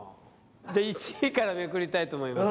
１位からめくりたいと思います